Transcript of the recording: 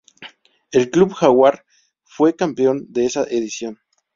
El club Jaguares fue campeón de esa edición.